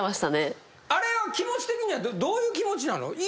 あれは気持ち的にはどういう気持ちなの？